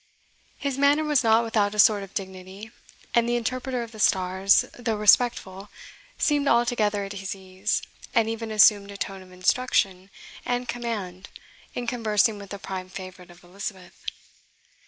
His manner was not without a sort of dignity; and the interpreter of the stars, though respectful, seemed altogether at his ease, and even assumed a tone of instruction and command in conversing with the prime favourite of Elizabeth.